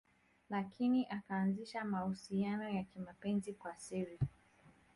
Lakini akaanzisha mahusiano ya kimapenzi kwa siri